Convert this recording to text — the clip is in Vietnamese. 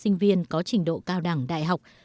sinh viên có trình độ cao đẳng đại học